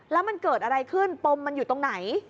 แล้วมันเกิดอะไรขึ้นปมมันอยู่ตรงไหน